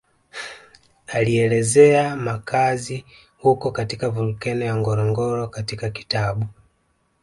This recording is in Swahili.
Alielezea makazi huko katika volkeno ya Ngorongoro katika kitabu